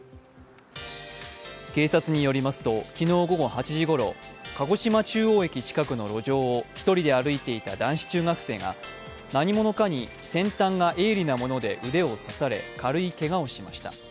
警察によりますと昨日午後８時ごろ鹿児島中央駅近くの路上を１人で歩いていた男子中学生が何者かに先端が鋭利なもので腕を刺され軽いけがをしました。